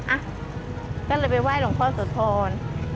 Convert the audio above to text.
อะก็เลยไปไหว้หลงพ่อสัทธร